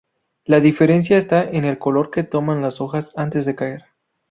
La diferencia está en el color que toman las hojas antes de caer.